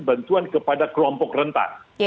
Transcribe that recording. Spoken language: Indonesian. bantuan kepada kelompok rentan